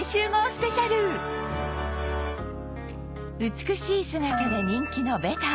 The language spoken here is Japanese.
美しい姿で人気のベタ